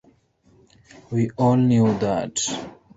We all knew that.